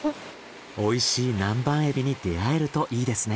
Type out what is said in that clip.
美味しい南蛮エビに出会えるといいですね。